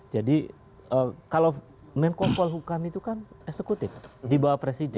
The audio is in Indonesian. jadi kalau menko polhukam itu kan eksekutif dibawah presiden